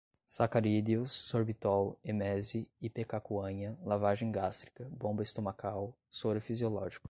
sacarídeos, sorbitol, emese, ipecacuanha, lavagem gástrica, bomba estomacal, soro fisiológico